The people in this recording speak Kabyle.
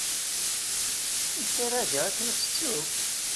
Amek ara geɣ akken ad tt-ttuɣ?